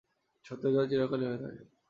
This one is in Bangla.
সত্যের জয় চিরকালই হয়ে থাকে।